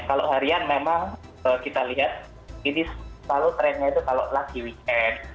kalau harian memang kita lihat ini selalu trennya itu kalau lagi weekend